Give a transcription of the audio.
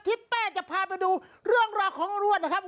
ที่แต่จะพาไปดูเรื่องรอของอ้วนนะครับ